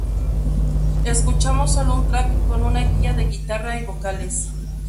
Escuchamos solo un "track" con una guía de guitarra y vocales.